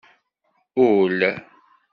Ul.